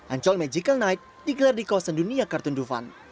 ancol magical night digelar di kawasan dunia kartun dufan